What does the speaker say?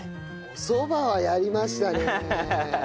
おそばはやりましたねえ。